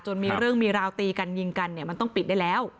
มีเรื่องมีราวตีกันยิงกันเนี่ยมันต้องปิดได้แล้ว